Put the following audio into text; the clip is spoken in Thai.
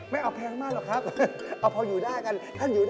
ไม่เอาแพงมากครับเข้าหอยู่ได้